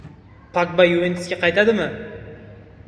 Pogba "Yuventus"ga qaytadimi?